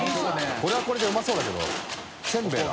これはこれでうまそうだけどせんべいだ。